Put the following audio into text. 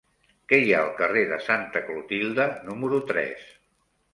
Què hi ha al carrer de Santa Clotilde número tres?